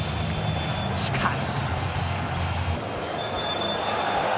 しかし。